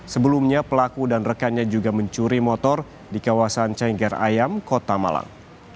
sebelumnya pelaku dan rekannya juga mencuri motor di kawasan cengger ayam kota malang